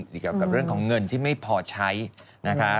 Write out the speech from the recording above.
ดีกว่าเรื่องของเงินที่ไม่พอใช้นะคะ